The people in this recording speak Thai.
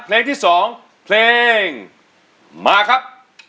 เพลงที่๒เพลงมาครับ